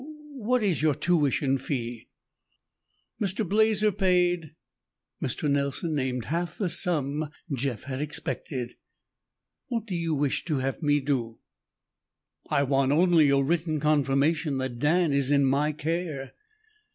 Wh what is your tuition fee?" "Mr. Blazer paid " Mr. Nelson named half the sum Jeff had expected. "What do you wish to have me do?" "I want only your written confirmation that Dan is in my care."